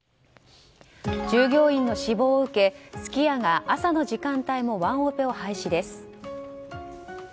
従業員の死亡を受けすき家が朝の時間帯もワンオペを廃止です。